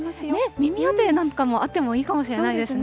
耳当てなんかもあってもいいかもしれないですね。